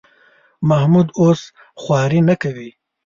محمود اوس خواري نه کوي.